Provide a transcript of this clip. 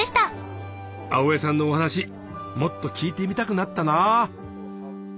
青江さんのお話もっと聞いてみたくなったな。